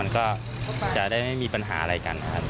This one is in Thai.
ก็จะได้ไม่มีปัญหาอะไรกันนะครับ